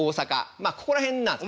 まあここら辺なんです。